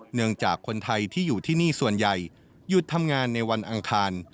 เนื่องจากคนไทยที่อยู่ที่นี่ส่วนใหญ่หยุดทำงานในวันอังคาร